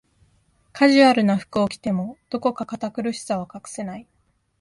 カジュアルな服を着ても、どこか堅苦しさは隠せない